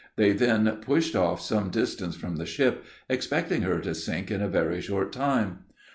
They then pushed off some distance from the ship, expecting her to sink in a very short time.